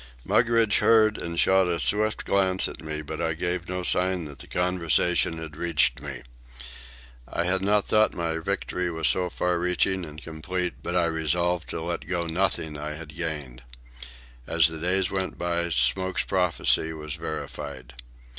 Mugridge heard and shot a swift glance at me, but I gave no sign that the conversation had reached me. I had not thought my victory was so far reaching and complete, but I resolved to let go nothing I had gained. As the days went by, Smoke's prophecy was verified.